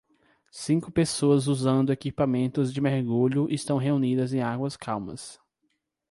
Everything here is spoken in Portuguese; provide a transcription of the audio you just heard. Cinco pessoas usando equipamentos de mergulho estão reunidas em águas calmas.